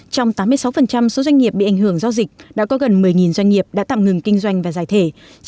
trong tám mươi sáu số doanh nghiệp bị ảnh hưởng do dịch đã có gần một mươi doanh nghiệp đã tạm ngừng kinh doanh và giải thể